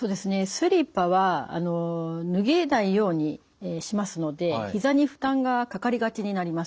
スリッパは脱げないようにしますのでひざに負担がかかりがちになります。